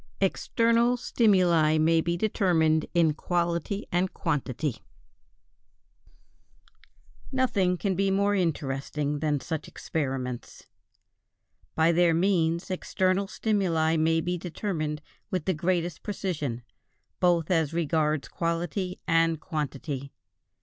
=External stimuli may be determined in quality and quantity=. Nothing can be more interesting than such experiments. By their means external stimuli may be determined with the greatest precision, both as regards quality and quantity.